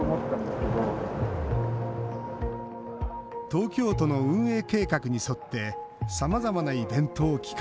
東京都の運営計画に沿ってさまざまなイベントを企画。